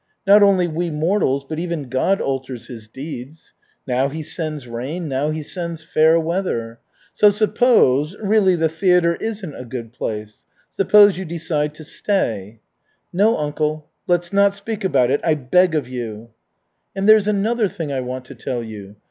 Not only we mortals, but even God alters His deeds. Now He sends rain, now He sends fair weather. So, suppose really, the theatre isn't a good place suppose you decide to stay." "No, uncle, let's not speak about it, I beg of you." "And there's another thing I want to tell you.